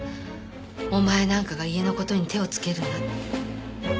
お前なんかが家の事に手をつけるなって。